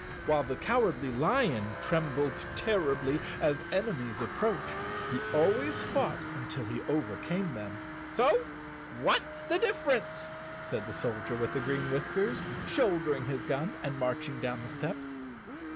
While the Cowardly Lion trembled 99 The Cowardly Lion of Oz terribly as enemies approached, he always fought un¬ til he overcame them. " So what's the difference," said the Soldier with the Green Whiskers, shouldering his gun and marching down the steps.